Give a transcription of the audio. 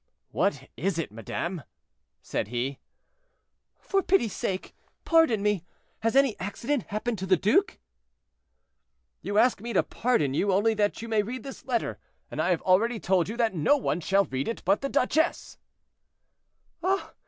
"What is it, madame?" said he. "For pity's sake, pardon me; has any accident happened to the duke?" "You ask me to pardon you, only that you may read this letter, and I have already told you that no one shall read it but the duchesse." "Ah!